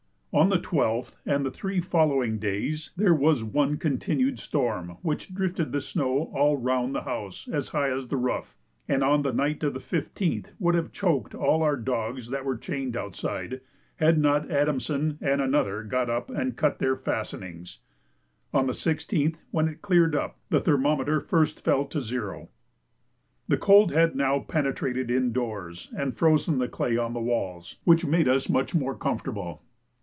On the 12th and three following days there was one continued storm which drifted the snow all round the house as high as the roof, and on the night of the 15th would have choked all our dogs that were chained outside, had not Adamson and another got up and cut their fastenings. On the 16th, when it cleared up, the thermometer first fell to zero. The cold had now penetrated in doors and frozen the clay on the walls, which made us much more comfortable.